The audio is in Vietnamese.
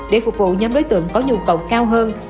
để phục vụ nhóm đối tượng có nhu cầu cao hơn